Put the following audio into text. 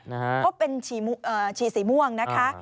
ก็เป็นฉี่สีม่วงนะคะ